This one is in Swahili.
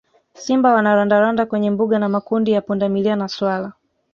Simba wana randaranda kwenye mbuga na makundi ya pundamilia na swala